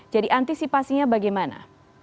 jadi antisipasinya bagaimana